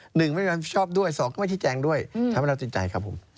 หนึ่งไม่รับผิดชอบด้วยสองก็ไม่ชี้แจงด้วยทำให้เราติดใจครับผม